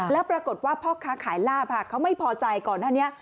แล้วปรากฏว่าพ่อค้าขายลาบค่ะเขาไม่พอใจก่อนหน้านี้